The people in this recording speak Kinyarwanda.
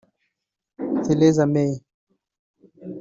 Theresa May